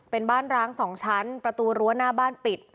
เป็นบ้านร้าง๒ชั้นประตูรั้วหน้าบ้านปิด